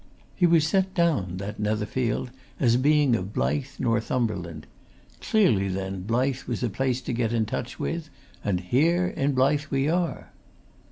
He was set down, that Netherfield, as being of Blyth, Northumberland. Clearly, then, Blyth was a place to get in touch with and here in Blyth we are!"